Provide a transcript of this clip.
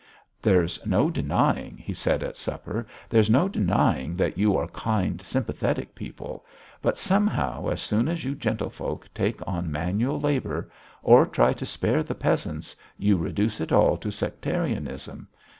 "There's no denying," he said at supper, "there's no denying that you are kind, sympathetic people, but somehow as soon as you gentlefolk take on manual labour or try to spare the peasants, you reduce it all to sectarianism.